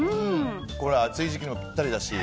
暑い時期にもぴったりだし。